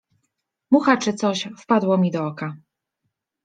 Mucha czy coś — wpadło mi do oka.